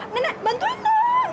nenek bantuin dong